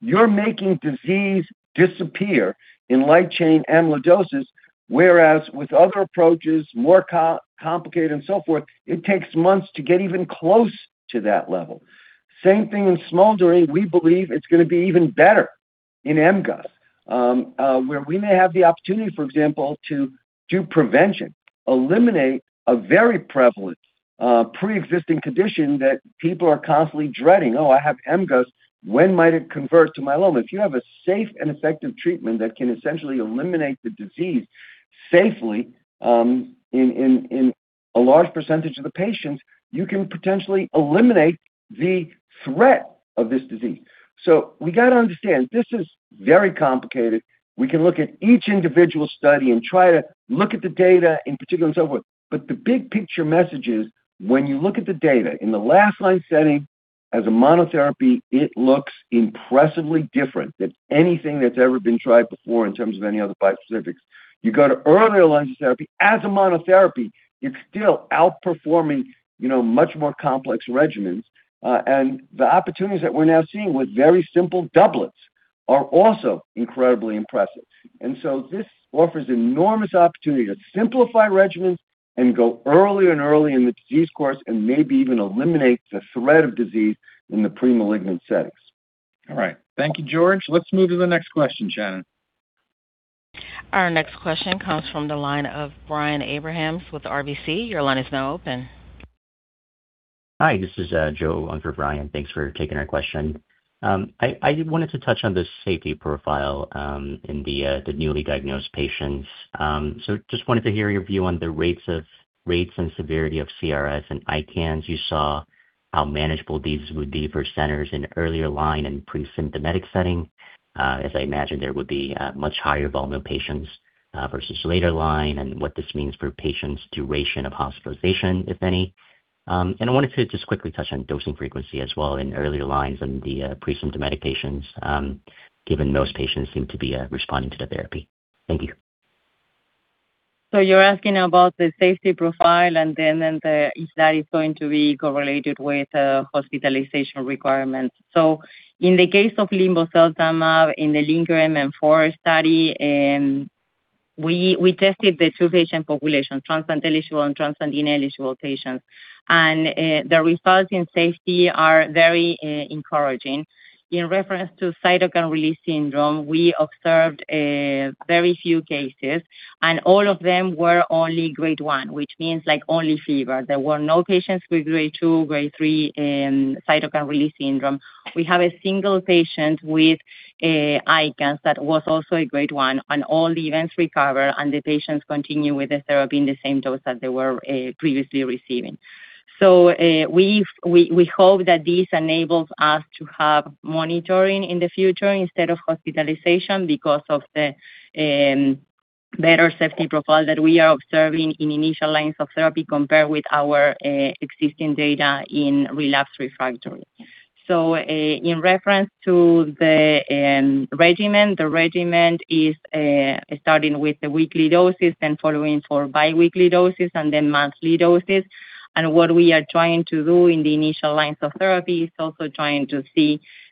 you're making disease disappear in light-chain amyloidosis, whereas with other approaches, more complicated and so forth, it takes months to get even close to that level. Same thing in smoldering. We believe it's going to be even better in MGUS, where we may have the opportunity, for example, to do prevention, eliminate a very prevalent pre-existing condition that people are constantly dreading. "Oh, I have MGUS. When might it convert to myeloma?" If you have a safe and effective treatment that can essentially eliminate the disease safely in a large percentage of the patients, you can potentially eliminate the threat of this disease. So we got to understand this is very complicated. We can look at each individual study and try to look at the data in particular and so forth. But the big picture message is when you look at the data in the last-line setting as a monotherapy, it looks impressively different than anything that's ever been tried before in terms of any other bispecifics. You go to earlier lines of therapy as a monotherapy, it's still outperforming much more complex regimens. And the opportunities that we're now seeing with very simple doublets are also incredibly impressive. And so this offers enormous opportunity to simplify regimens and go early and early in the disease course and maybe even eliminate the threat of disease in the premalignant settings. All right. Thank you, George. Let's move to the next question, Shannon. Our next question comes from the line of Brian Abrahams with RBC. Your line is now open. Hi. This is actually Brian. Thanks for taking our question. I wanted to touch on the safety profile in the newly diagnosed patients. So just wanted to hear your view on the rates and severity of CRS and ICANS. You saw how manageable these would be for centers in earlier line and pre-symptomatic settings. As I imagine, there would be much higher volume of patients versus later line and what this means for patients' duration of hospitalization, if any. I wanted to just quickly touch on dosing frequency as well in earlier lines and the pre-symptomatic patients, given most patients seem to be responding to the therapy. Thank you. You're asking about the safety profile and then if that is going to be correlated with hospitalization requirements. In the case of linvoseltamab in the LINKER-MM4 study, we tested the two patient populations, transplant eligible and transplant ineligible patients. The results in safety are very encouraging. In reference to cytokine release syndrome, we observed very few cases, and all of them were only grade 1, which means like only fever. There were no patients with grade 2, grade 3 cytokine release syndrome. We have a single patient with ICANS that was also a grade 1, and all the events recovered, and the patients continued with the therapy in the same dose that they were previously receiving. So we hope that this enables us to have monitoring in the future instead of hospitalization because of the better safety profile that we are observing in initial lines of therapy compared with our existing data in relapsed/refractory. So in reference to the regimen, the regimen is starting with the weekly doses, then following for biweekly doses, and then monthly doses. And what we are trying to do in the initial lines of therapy is also trying to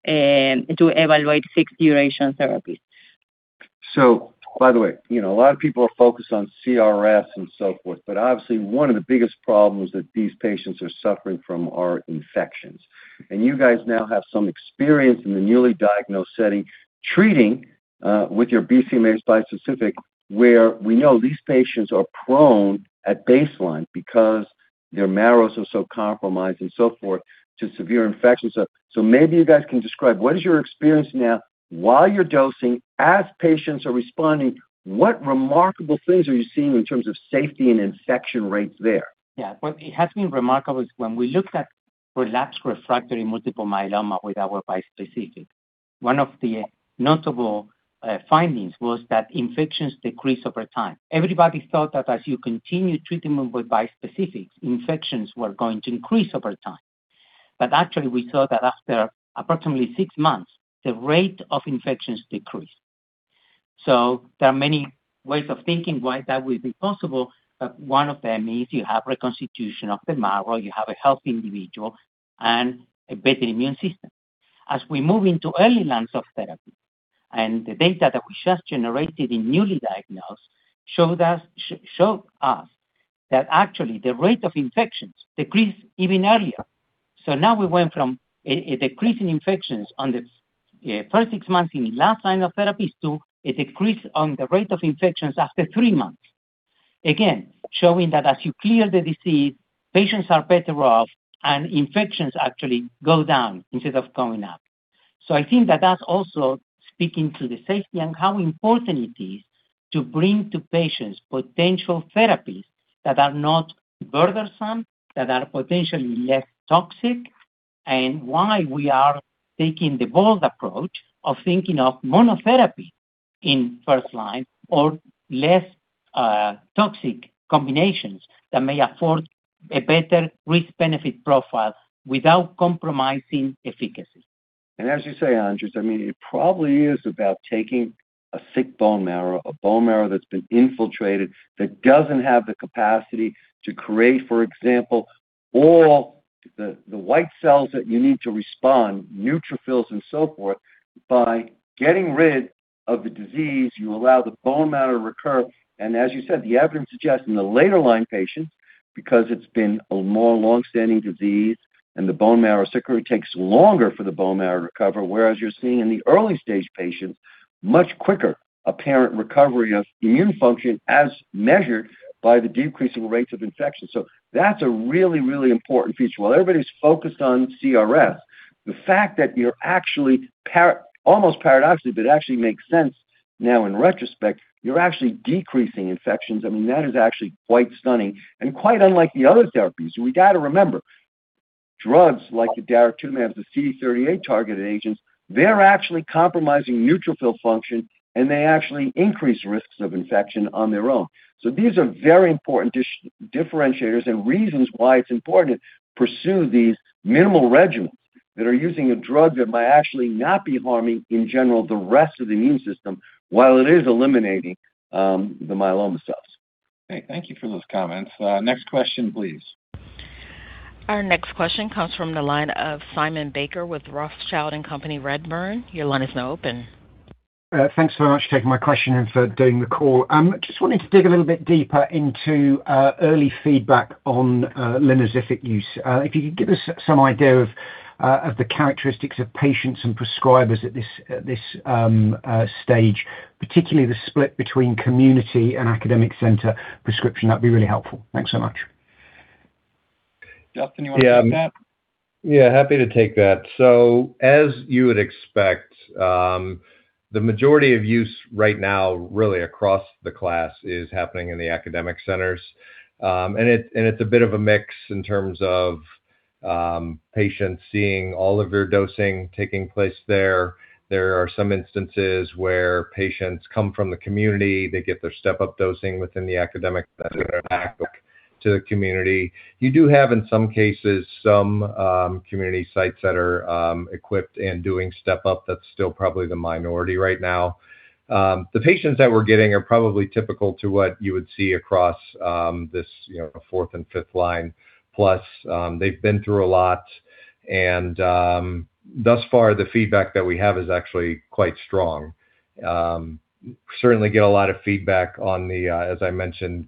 evaluate fixed-duration therapies. So by the way, a lot of people are focused on CRS and so forth, but obviously, one of the biggest problems that these patients are suffering from are infections. And you guys now have some experience in the newly diagnosed setting treating with your BCMA bispecific where we know these patients are prone at baseline because their marrows are so compromised and so forth to severe infections. So maybe you guys can describe what is your experience now while you're dosing, as patients are responding, what remarkable things are you seeing in terms of safety and infection rates there? Yeah. What has been remarkable is when we looked at relapsed/refractory multiple myeloma with our bispecific, one of the notable findings was that infections decrease over time. Everybody thought that as you continue treating them with bispecifics, infections were going to increase over time. But actually, we saw that after approximately six months, the rate of infections decreased. So there are many ways of thinking why that would be possible, but one of them is you have reconstitution of the marrow, you have a healthy individual, and a better immune system. As we move into early lines of therapy, and the data that we just generated in newly diagnosed showed us that actually the rate of infections decreased even earlier. So now we went from a decrease in infections on the first six months in last line of therapies to a decrease on the rate of infections after three months, again, showing that as you clear the disease, patients are better off, and infections actually go down instead of going up. So I think that that's also speaking to the safety and how important it is to bring to patients potential therapies that are not burdensome, that are potentially less toxic, and why we are taking the bold approach of thinking of monotherapy in first line or less toxic combinations that may afford a better risk-benefit profile without compromising efficacy. And as you say, Andres, I mean, it probably is about taking a sick bone marrow, a bone marrow that's been infiltrated, that doesn't have the capacity to create, for example, all the white cells that you need to respond, neutrophils, and so forth, by getting rid of the disease. You allow the bone marrow to recover. And as you said, the evidence suggests in the later line patients, because it's been a more long-standing disease and the bone marrow, it takes longer for the bone marrow to recover, whereas you're seeing in the early-stage patients, much quicker apparent recovery of immune function as measured by the decreasing rates of infection. So that's a really, really important feature. While everybody's focused on CRS, the fact that you're actually almost paradoxically, but actually makes sense now in retrospect, you're actually decreasing infections. I mean, that is actually quite stunning and quite unlike the other therapies. And we got to remember drugs like the daratumumabs, the CD38 targeted agents, they're actually compromising neutrophil function, and they actually increase risks of infection on their own. So these are very important differentiators and reasons why it's important to pursue these minimal regimens that are using a drug that might actually not be harming in general the rest of the immune system while it is eliminating the myeloma cells. Okay. Thank you for those comments. Next question, please. Our next question comes from the line of Simon Baker with Rothschild & Co Redburn. Your line is now open. Thanks very much for taking my question and for doing the call. Just wanted to dig a little bit deeper into early feedback on linvoseltamab use. If you could give us some idea of the characteristics of patients and prescribers at this stage, particularly the split between community and academic center prescription, that'd be really helpful. Thanks so much. Justin, you want to take that? Yeah. Happy to take that. As you would expect, the majority of use right now really across the class is happening in the academic centers. It's a bit of a mix in terms of patients seeing all of your dosing taking place there. There are some instances where patients come from the community. They get their step-up dosing within the academic center and back to the community. You do have in some cases some community sites that are equipped and doing step-up. That's still probably the minority right now. The patients that we're getting are probably typical to what you would see across this fourth and fifth line plus. They've been through a lot. Thus far, the feedback that we have is actually quite strong. Certainly get a lot of feedback on the, as I mentioned,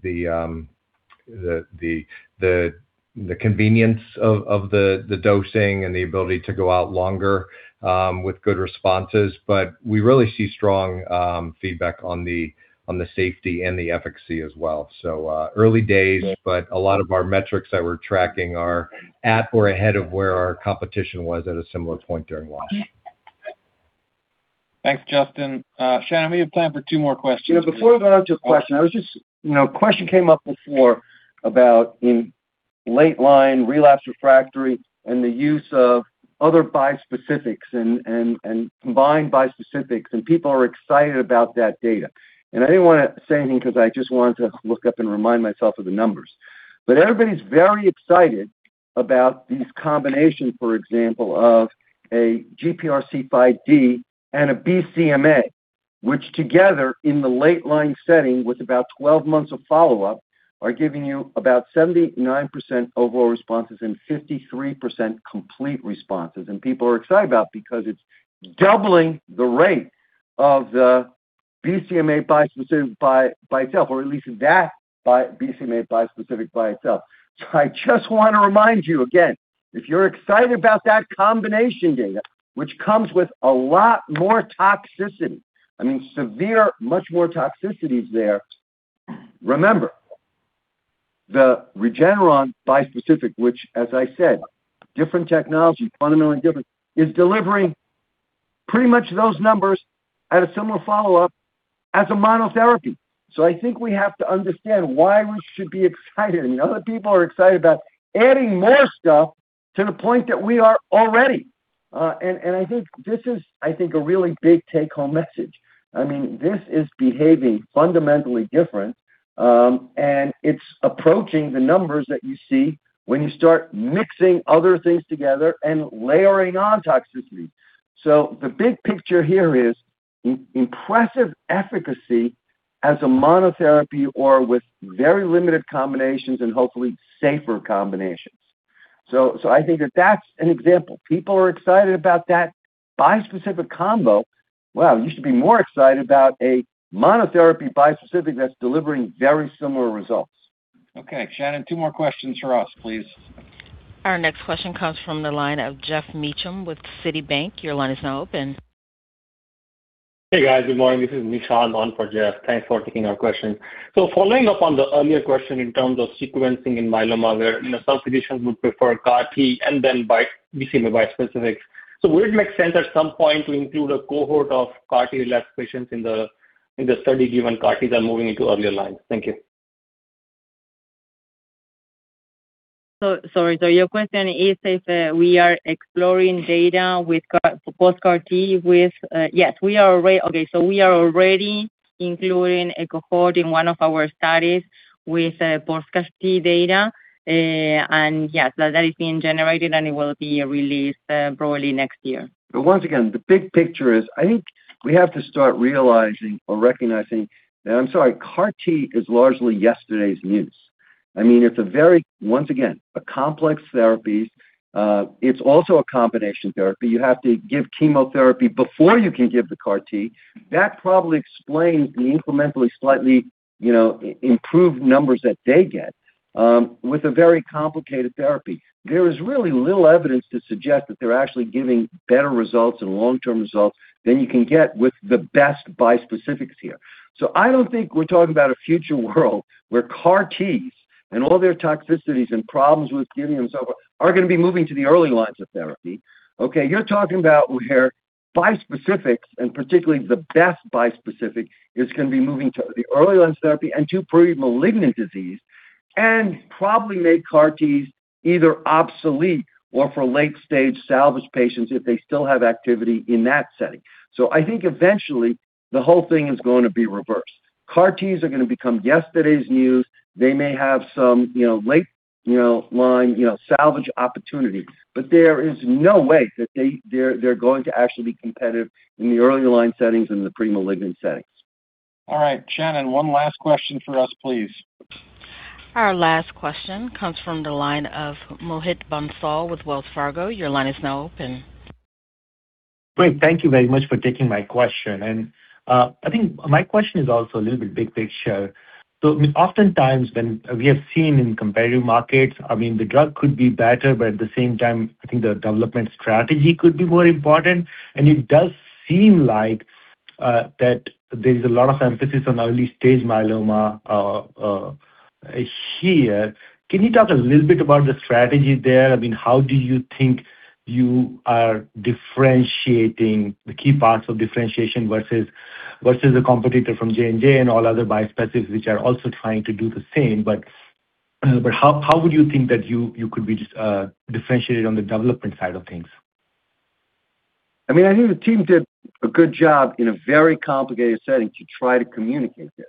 the convenience of the dosing and the ability to go out longer with good responses. But we really see strong feedback on the safety and the efficacy as well. So early days, but a lot of our metrics that we're tracking are at or ahead of where our competition was at a similar point during last year. Thanks, Justin. Shannon, we have time for two more questions. Before we go on to a question, a question came up before about late-line relapsed/refractory and the use of other bispecifics and combined bispecifics. And people are excited about that data. And I didn't want to say anything because I just wanted to look up and remind myself of the numbers. But everybody's very excited about these combinations, for example, of a GPRC5D and a BCMA, which together in the late-line setting with about 12 months of follow-up are giving you about 79% overall responses and 53% complete responses. And people are excited about it because it's doubling the rate of the BCMA bispecific by itself, or at least that BCMA bispecific by itself. So I just want to remind you again, if you're excited about that combination data, which comes with a lot more toxicity, I mean, severe, much more toxicity there, remember the Regeneron bispecific, which, as I said, different technology, fundamentally different, is delivering pretty much those numbers at a similar follow-up as a monotherapy. So I think we have to understand why we should be excited. I mean, other people are excited about adding more stuff to the point that we are already. And I think this is, I think, a really big take-home message. I mean, this is behaving fundamentally different. And it's approaching the numbers that you see when you start mixing other things together and layering on toxicity. So the big picture here is impressive efficacy as a monotherapy or with very limited combinations and hopefully safer combinations. So I think that that's an example. People are excited about that bispecific combo. Wow, you should be more excited about a monotherapy bispecific that's delivering very similar results. Okay. Shannon, two more questions for us, please. Our next question comes from the line of Geoff Meacham with Citibank. Your line is now open. Hey, guys. Good morning. This is Mitch on for Geoff. Thanks for taking our question. So following up on the earlier question in terms of sequencing in myeloma, where some physicians would prefer CAR-T and then BCMA bispecifics. So would it make sense at some point to include a cohort of CAR-T relapse patients in the study given CAR-Ts are moving into earlier lines? Thank you. Sorry. So your question is if we are exploring data with post-CAR-T. With yes, we are already okay. So we are already including a cohort in one of our studies with post-CAR-T data. And yes, that is being generated, and it will be released probably next year. But once again, the big picture is I think we have to start realizing or recognizing that, I'm sorry, CAR-T is largely yesterday's news. I mean, it's a very, once again, a complex therapy. It's also a combination therapy. You have to give chemotherapy before you can give the CAR-T. That probably explains the incrementally slightly improved numbers that they get with a very complicated therapy. There is really little evidence to suggest that they're actually giving better results and long-term results than you can get with the best bispecifics here. So I don't think we're talking about a future world where CAR-Ts and all their toxicities and problems with giving themselves are going to be moving to the early lines of therapy. Okay. You're talking about where bispecifics and particularly the best bispecific is going to be moving to the early lines of therapy and to premalignant disease and probably make CAR-Ts either obsolete or for late-stage salvage patients if they still have activity in that setting. So I think eventually the whole thing is going to be reversed. CAR-Ts are going to become yesterday's news. They may have some late line salvage opportunity. But there is no way that they're going to actually be competitive in the early line settings and the premalignant settings. All right. Shannon, one last question for us, please. Our last question comes from the line of Mohit Bansal with Wells Fargo. Your line is now open. Great. Thank you very much for taking my question. And I think my question is also a little bit big picture. So oftentimes when we have seen in competitive markets, I mean, the drug could be better, but at the same time, I think the development strategy could be more important. And it does seem like that there is a lot of emphasis on early-stage myeloma here. Can you talk a little bit about the strategy there? I mean, how do you think you are differentiating the key parts of differentiation versus a competitor from J&J and all other bispecifics which are also trying to do the same? But how would you think that you could be differentiated on the development side of things? I mean, I think the team did a good job in a very complicated setting to try to communicate this.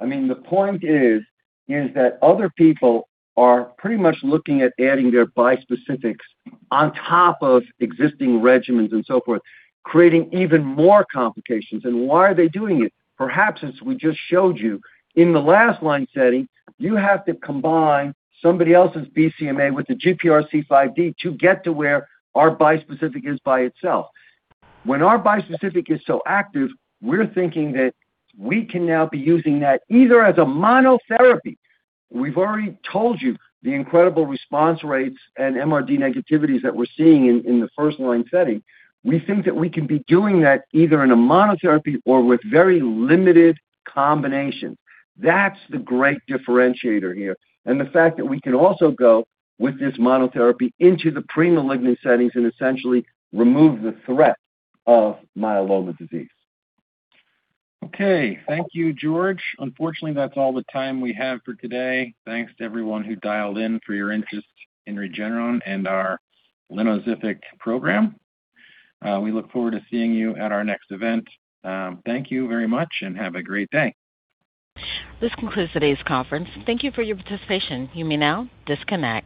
I mean, the point is that other people are pretty much looking at adding their bispecifics on top of existing regimens and so forth, creating even more complications. And why are they doing it? Perhaps as we just showed you, in the late-line setting, you have to combine somebody else's BCMA with the GPRC5D to get to where our bispecific is by itself. When our bispecific is so active, we're thinking that we can now be using that either as a monotherapy. We've already told you the incredible response rates and MRD negativities that we're seeing in the first-line setting. We think that we can be doing that either in a monotherapy or with very limited combinations. That's the great differentiator here. And the fact that we can also go with this monotherapy into the premalignant settings and essentially remove the threat of myeloma disease. Okay. Thank you, George. Unfortunately, that's all the time we have for today. Thanks to everyone who dialed in for your interest in Regeneron and our linvoseltamab program. We look forward to seeing you at our next event. Thank you very much, and have a great day. This concludes today's conference. Thank you for your participation. You may now disconnect.